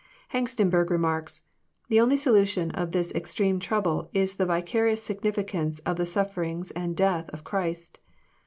Hengstenberg remarks :The only solution of this extreme trouble is the vicarious significance of the sufferings and death of Christ.